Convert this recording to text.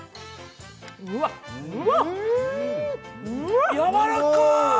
うーん、やわらかい！